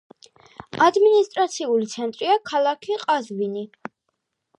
ადმინისტრაციული ცენტრია ქალაქი ყაზვინი.